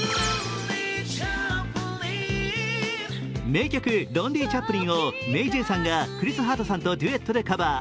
名曲「ロンリー・チャップリン」をＭａｙＪ．さんがクリス・ハートさんとデュエットでカバー。